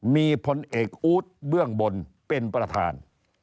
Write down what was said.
มีพลเอกอู๊ดเบื้องบนเป็นประธาน